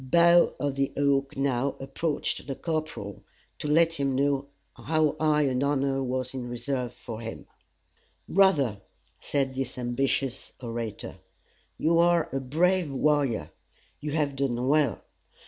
Bough of the Oak now approached the corporal, to let him know how high an honor was in reserve for him. "Brother," said this ambitious orator, "you are a brave warrior. You have done well.